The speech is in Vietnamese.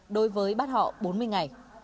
đối với bắt họ bốn mươi ngày